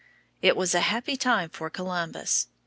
It was a happy time for Columbus.